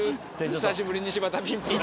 久しぶりに柴田ピンポン。